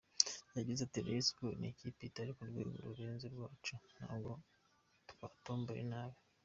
Yagize ati “Rayon Sports n’ikipe itari ku rwego rurenze urwacu, ntabwo twatomboye nabi.